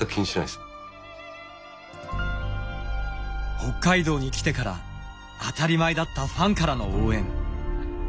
北海道に来てから当たり前だったファンからの応援。